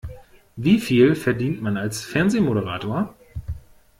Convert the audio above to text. Wie viel verdient man als Fernsehmoderator?